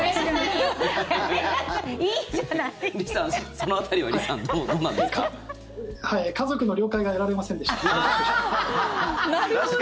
その辺りはリさん、どうなんですか？